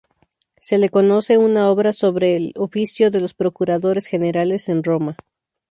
Se le conoce una obra sobre el oficio de los procuradores generales en Roma.